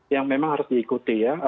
yang memang harus diikuti